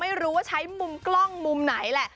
ไม่รู้ว่าใช้มุมกล้องมุมไหนแหละ